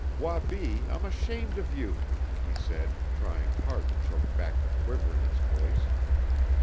"Wabi, I'm ashamed of you!" he said, trying hard to choke back the quiver in his voice.